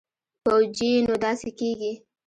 پوجي نو داسې کېږي.